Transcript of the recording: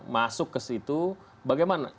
masuk ke situ bagaimana